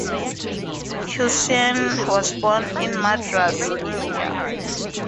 Hussain was born in Madras, India.